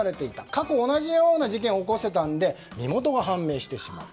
過去同じような事件を起こしていたため身元が判明してしまう。